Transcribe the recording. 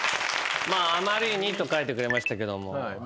「あまり２」と書いてくれましたけども。